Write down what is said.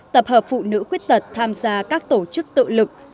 tập hợp phụ nữ khuyết tật tham gia các tổ chức tự lực